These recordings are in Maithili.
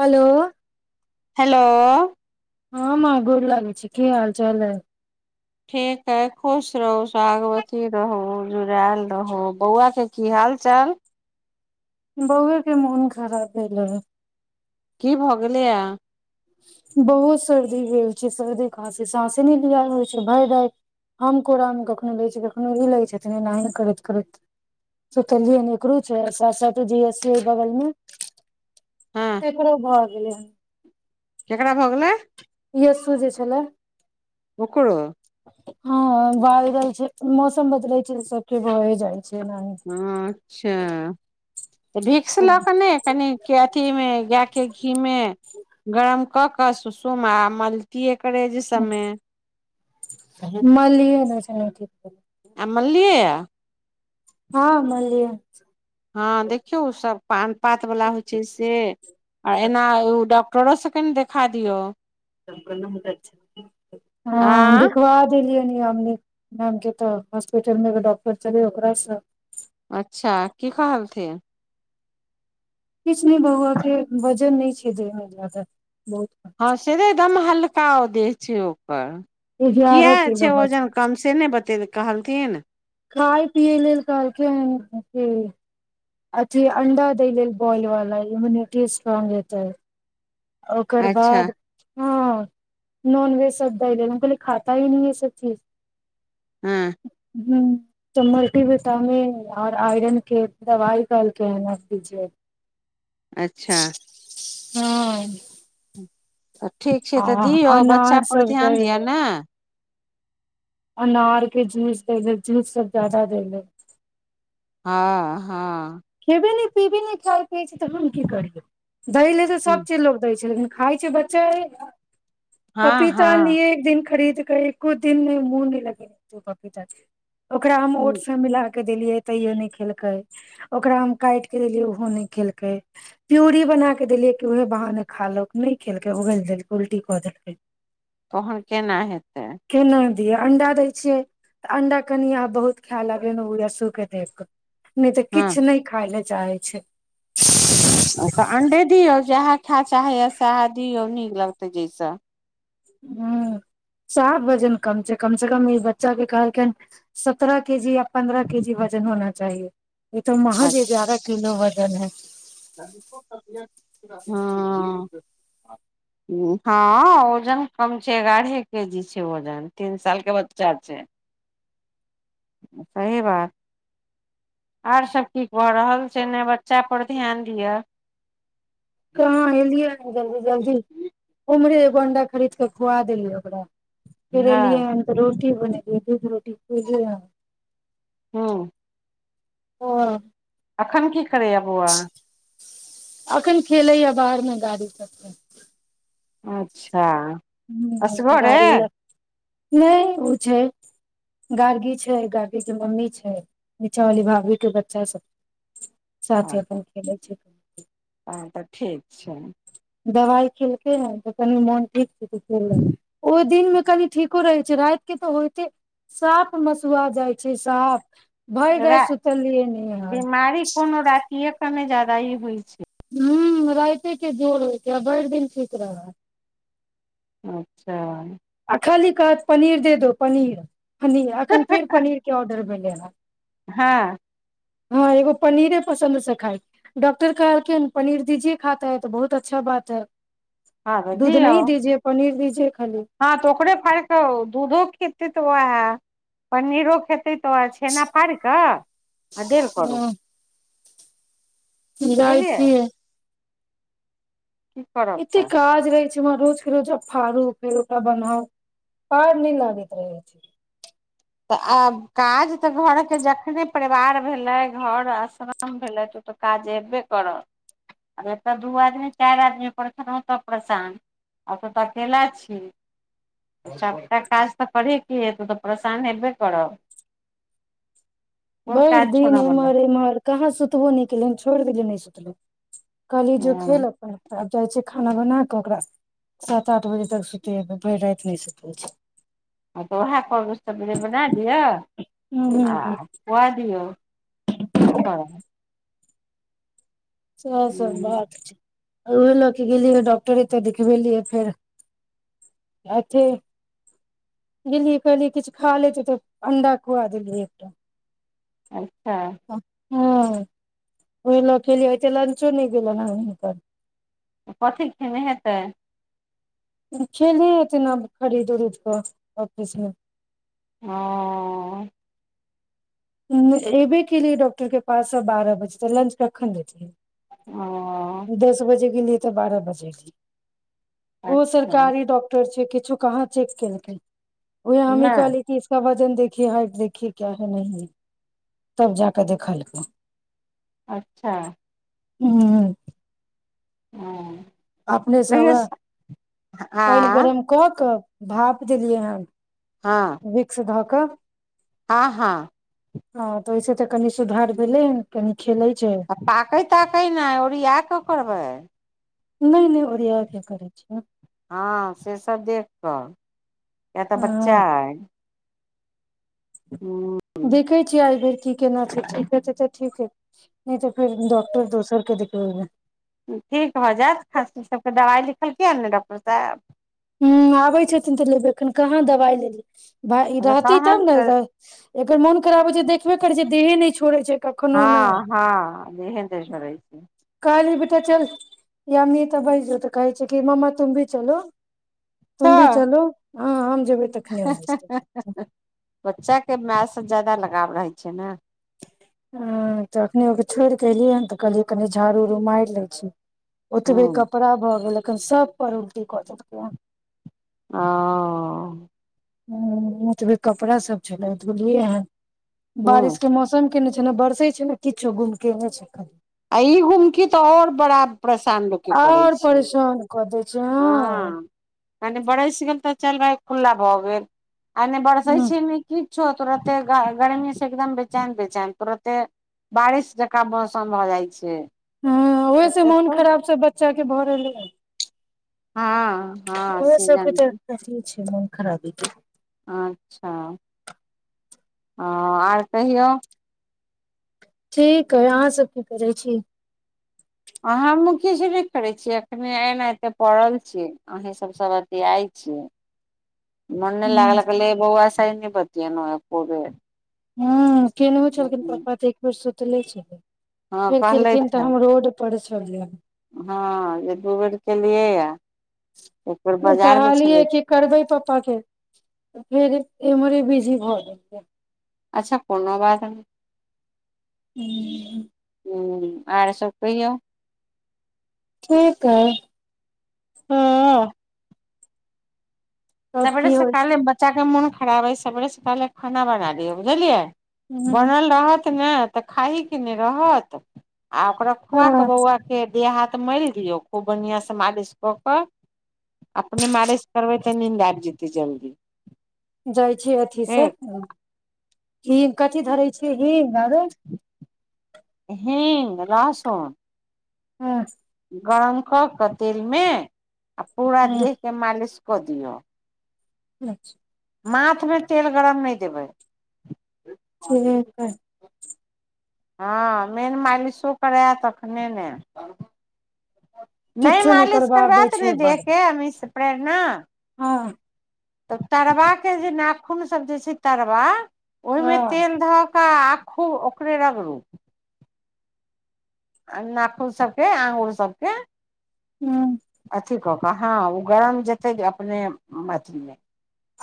हेलो हेलो हँ माँ गोर लागै छै की हाल चाल अय ठीक है खुश रहू सागवतीी रहू जुड़ायल रहू बौआ के की हाल चाल बौअ के मोन खराब भेल हे की भऽ गेलैया बहुत सर्दी भेल छै सर्दी कहाँसी ससे नहि ल आ होइत छै भरि राति हम कोरा मे कखनो रहै छी कखनो ई लै छथिन एना ही करैत करैत सतलिय निकलू छै सा सा जीएस सी बगलमे हँ एकरो भऽ गेलै हन केकरा भऽ गेलै यस्सू जे छलै ओकरो हँ बायरल छै मौसम बदलै छै सबके भ जाइ छै न अच्छा तऽ भिक्स लऽ के ने कनि के अथी मे गाय के घी मे गरम क के सुसुम आ मलतीे करेज सबमे मललिय ठीक भ जैतेय आय मललि या हँ मललि हँ देखियौ सब पान पात बाला होइ छै से आ एना ओ डॉक्टरो सँ कने देखा दिऔ आ हँ देखबा देलियै म नाम के तऽ हॉस्पिटल मे एगो डॉक्टर छलेय ओकरासँ अच्छा की कहलथिन किछु नहि बौआ के वजन नहि छै देह मे जादा बहुत हँ सीधे एकदम हल्का देह छै ओकर किया एगारह किलो छै वजन कम सेने बते कहलथिन खाय पिय लेल कहलके हन अथी अंडा दय लेल बॉल वला इम्युनिटी स्ट्रॉंग होतै ओकर अच्छा बाद हँ नॉन वेज सब द कलै खाता ही न सब चीज हँ हू मलटी बिटामिन और आयरन के दवाई देलके अच्छा हँ तऽ ठीक छै आ तऽ दियौ अनार बच्चा पर सब दै ध्यान दिअ लेल ने अनार के जूस दे जूस सब जादा देयले हँ हँ खेबे नहि पिबे नहि खााय पियए छी तऽ हम की करिय दय ले सब चीज लोग दै छै लेकिन खाइ छै बच्चे हँ पपीता हँ अनलिए एक दिन खरीद क ई एको दिन मे मुह लगेल केय पपीता ओकरा हम ओठ से मिला के देलियै तैयो नहि खेलकै ओकरा काटि के देलियै ओहो नहि खेलकै प्यूरी बना क के देलिये कि उह बहाने खा लोउ नहि खेलकै उगल देलक उल्टी कऽ देलकै [unintelligible] तहन केना हेतै केना दिय अंडा दै छियै तऽ अंडा कनि अहाँ बहुत खाय लबे ओ यसू के दे कऽ नहि तऽ हँ किछु नहि खााय लए चाहै छै ओ तऽ अण्डे दियौ जएह खायए चाहैए सएह दियौ नीक लगतै जाहिसँ हुँ साफ वजन कम छै कम से कम ई बच्चा कें कहलके सत्रह केजी या पन्द्रह केजी वजन होना चाहिए ई तऽ महज अच्छा ग्यारह किलो वजन है हँ हँ ओजन कम छै एगारहे के जी छै ओजन तीन साल के बच्चा छै सही बात आर सब कीक भऽ रहल छै ने बच्चा पर ध्यान दियअ कहाँ एलियै जल्दी जल्दी उमरे अंडा खरीद क खुआ देलियै ओकरा फेर हँ एलियै ह तऽ रोटी बनेलियै दूध रोटी खलिय हँ ओ अखन की करैए अखन खेलै हा बाहर मे गाड़ी सबके अच्छा ह असगरे गाड़ी ल नहि ओ छै गार्गी छै गार्गी के मम्मी छै नीचा वाली भाभी के बच्चा सब साथे अपन खेले छै हँ तऽ ठीक छै दबाइ खेलकै ह तऽ कनि मोन ठीक छै त खल ओ दिनमे कनि ठीको रहैत छै रातिके तऽ होइते साफ मसुआ जाइ छै साफ भरि रा राति सुतलियै न हन बिमारी कोनो राति ए कमे जायदा होइ छै ह राइते के जोर होइके बड़ दिन ठीक रहै अच्छा आ खाली कहत पनीर दे दो पनीर पनीर एखन फेर पनीरके ऑर्डर भेलै हँ हँ हँ एगो पनीरे पसन्द से खाए डॉक्टर कहलकिन पनीर दीजे खाता है तऽ बहुत अच्छा बात है हँ तऽ दूध दियौ नहि दीजिए पनीर दीजिए खाली हँ त ओकरे फारक दूधो खेते त वहे पनीरो खेते तो छेना फार क आ देेल ह करूँ जाइ छियै की करब इते तऽ काज रहै छै रोज के रोजब फाड़ू फेर ओकरा बनाउ पार नहि लागैत रहे छै तऽ आब काज तऽ घरके जखने परिवार भेलै घर स्न कम भेलथि तऽ ओ तऽ काज अयबे करत आ एतय दू आदमी चार आदमी पर छलहुँ त परेशान आब त तऽ अकेला छी सबटा काज तऽ करेके हे तू तऽ सान हेैबे करब कोन भैर काज दिन छोड़ऽ बला इमहर उमहर कहाँ सुतबो न केल छोड़ देली न सुतलो कहली जो हँ खेल अपन जाइ छै खाना बना क ओकरा सात आठ बजे तक सुतेबै भर रात न सुतल छै हँ त ओएह कहबे तर बना दिय आ हूँ ओए दियौ की करब सह सब हूँ बात छै उहे लऽ क गेलियै डॉक्टरे तऽ देखिबेलियै फेर अथी गेलियै कहलियै किछु खा लेते तऽ अंडा खुआ देलियै एकटा अच्छा ह ओहि ल ख ल हो लंचो नहि गेल ने हुनक कथी खेने हेतै [unintelligible] ऑफिस मे हँ एबे केिए ॉक्टर के पास बारह बजे त लंच रखन दैतीयै? ओ दस बजे गेलि तऽ बारह बजे ओ अच्छा सरकारी डॉ टर छैय किछु कहाँ चेक केलकै उहे हमही नहि कहलियै [unintelligible] देखि हाइ देखी क्या है नहि है। तब जाके देखलकै। अच्छा हू हँ अपनेसँ वैह लेकिन आ पानि गरम क क भाप देलियै हन। हँ विक्स धक हँ हँ हँ त ओहिसे त कनि सुधार भेलै हन कनि खेलै छैय। पाकै ताकै नहि ओरिया क करबै। नहि नहि ओरिया के करै छियै। हँ से सब देख कऽ किए तऽ हँ बच्चा अइ। देखै छीयै आई भरी की केना छैय ठीक हेतै तऽ ठीक है नहि तऽ फेर डॉक्टर दोसर के देखबेबै। ठीक भ जायत खाँसी सबके दवाई लिखलकै ने डॉक्टर साहेब? ह आबै छथिन तऽ लेबैखन कहाँ दवाइ लेली भ रहतै तहन तब ने। तऽ एकर मोन खराब होय छैय देखबे करै छी देहे न छोड़े छैय। हँ हँ देहे नहि छोरै छैय। [unintelligible] तऽ कहै छैय कि मममा तुम भी चलो। तुम भी चलोहं हम जेब हँ हँ हँ हँ बच्चा के माय से जादा लगाव रहै छैय ने। ह त अखनी ओ छोड़ क एलियै हन त कहलियै कनि झाड़ू उड़ू मार लै छी। ह ओतबे कपड़ा भ गेल अखन सब पर उल्टी क देलकै हन। ह ओतबे कपड़ा सब छलै धुलये हन ह बारिश के मौसम केने छैय ने बरसै छैय ने किछो गुम केने छैय क। आ ई घुमकी तऽ और बड़ा परेशान लोक के करै छैय। क दै छैय। हँ कनि बरसि गेल तऽ चल भााय खु्ला भऽ गेल। आ नहि बरसै ह छैय ने की छो तुरते गर्मी से एकदम बेचैन बेचैन तुरते बारिश जकाँ मौसम भ जाइ छैय। हँ ओहि से मोन खराब सब बच्चा के भर रहलै हय। हँ हँ ओरा सबके सीजन तऽ के छै मन खराब के। अच्छा ह आर कहिऔ। ठीक हय अहाँ सब की करै छी? अहाँ मुख्यश नहि करै छीयै एखने एना एते पड़ल छी। अहीं सभ सभ अथी आय छि। मन ह नहि लागल या कल बउवा स आय नहि बतियेलो ह एको बेर। ह केनहु छलखिन पपा तऽ एक बेर सूतले छलै। हँ फेर कहलथि केलखिन हे त हम रोड पर छलियै। हँ जे दू बेर केलियै या एक बेर ओ बाजार मे छलै कहलीये की करबै पप्पा के फेर इ मरे बिजी भ गेलय अच्छा कोनो बात नै हू हूँ आर सब कहियौ ठीक अय हँ तब सवेरे की होइ छै सकाले बच्चाके मोन खराब हइ सवेरे सकाले खाना बना लियौ बुझलियै बनल रहत ने त खाहि के नै रहत आ ओकरा खुआ क ह बौआ के देह हाथ मोल दियौ खूब बढ़िया सँ मालिश क क अपने मारेश करबै त निन्द आ जते जल्दी जाइ छी अथी से ठीक हिम कथी धरे छी हिम आरो हींग लहसून हँ गरम क क तेल में आ पूरा देहके मालिश क दियो अच्छा माथमे तेल गरम नहि देबै ठीक है हँ मेन मालिशो करै तखने ने नहि किछो मालिश करबा करबाबै त छै नहि बड देख के अमीश से प्रेरणा हँ तब तरवा के जे नाखून सब जे छै तरवा ओहिमे हँ तेल धऽ आ खूब ओकरे रगड़ू आ नाखुन सबके अंगूुर सबके हँ अथिी कऽ कऽ हँ ओ गरम जेतै जे अपने अथीमे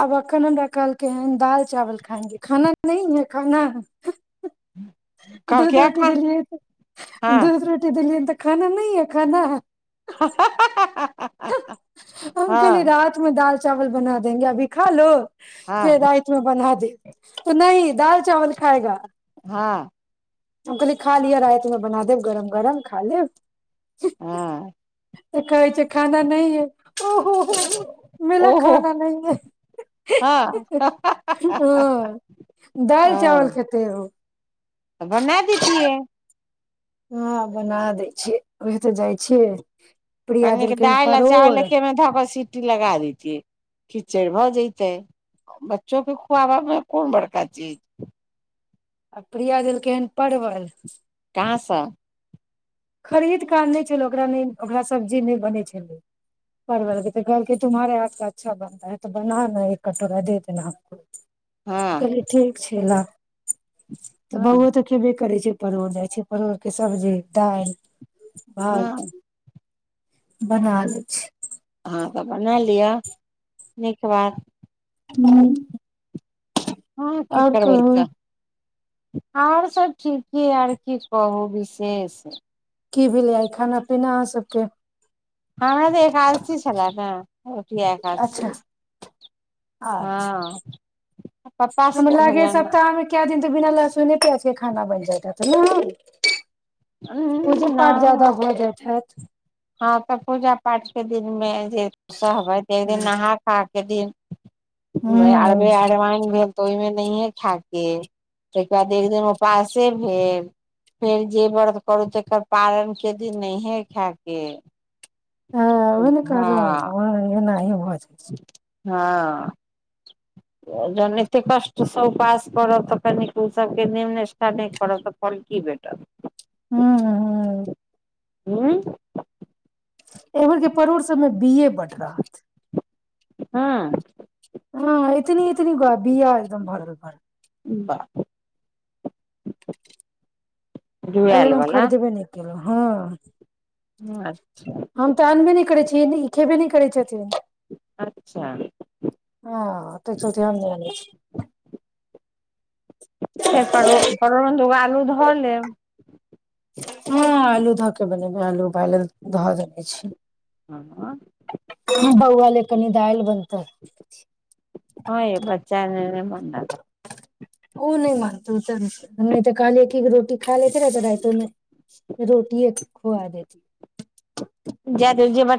आब एखन हमरा कहलकै हँ दालि चावल खांगे खाना न है खाना ह दस कहलकै रोटी एखन देलये त हँ दूध रोटी देलियै तऽ खाना नहि है खाना ह [inaudible] हम कहली हँ रात मे दाल चावावल बना देेंगे अभी खा लो हँ फेर राति बना दे त नहि दाल चावल खाायएगा हँ हम कहली खा लिअ रातिमे बना देब गरम गरम खा लेब हँ त खाय छै खाना नहि य ओहो हो म ल ओहो खानाना हँ नहिए हँ दालि हँ चावल खेते ओ तऽ बना दितिये हँ बना दै छियै ओह तऽ जाइ छियै प्रिया कनि देलखिन दाल आ परोड़ चावल आ खेमे धब सी कुटटी लगा देतीै खिचड़ भऽ जेत है बच्चो के खुआबा मे कोन बड़का चीज आ प्रिया देलकै हन परवल कहाँ सँ खरीद कऽ आने छलै ओकरा नहि ओकरा सब्जी नहि बनै छलै परवलके कहलके तुम्हारारे हाथ अच्छानता ह त बनााना एक कटोरा दे देना आपको हँ कहले ठीक छै ला तऽ बौओ हँ तऽ खेबे करै छै परोड़ जाइ छै परोड़के सब्जी दालि भात हँ बना दै छियै अहाँ तऽ बना लिअ नीक बात हूँ हँ की करबै कहू तऽ आर सब ठीके आर की कहू विशेष की भेलै आ खाना पीना अहाँ सबके हमरा तऽ एकादशी छलाह अच्छा न अच्छा पप्पा हमरा से लागे भेलनि सप्ताहमे क दिन तऽ बिना लहसुइने पियाज खाना बनि जाय तऽ ने पूजे न पाठ जादा भ जाइत हैत हँ तऽ पूजा पाठ के दिन मे जे सहबै त एक दिन हूँ नहा खा के दिन हूँ अरबे अरवइन भेल तऽ ओहिमे नहिे खााक ताहिके बाद एक दिन उपासे भेल फेर जे व्रत करू तकर पारण के दिन नहिे खायके आ ओहा न कहलहूँ हन हँ हमरा लंग एनाहिं भ जायत छै हँ [unintelligible] जन एते कष्ट स उपास करब कनि उ सबके नेम निष्ठा नहि करब त फल की भेटत हूँ हूँ उँ एम्हर के परोड़ सबमे बीऐ बड रहत हँ हँ एतनी एतनी गो बिया एकदम भरल बाह जुआएल अयले बला खरीदबे नहि केलहूँ हँ ह [inaudible] हम तऽ आनबे नहि करै छीय ई खेबे नहि करै छथिन अच्छा हँ त चलते हम नहि आनेय छी फेर परो परोड़मे दुूगो आलू धऽ लेब हँ आलू धऽके बनेब आलू उबाइले धऽ देने छी हँ बौआलय कनी दायल बनतै हँ ये बच्चा ह ओ नहि मनतौ त नहि तऽ कहलिए की एक गो रोटी खाइ ले तय रातियो मे रोटी एक खुआ देती जा दहिं जे बच्चा